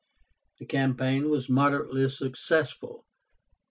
The campaign was moderately successful.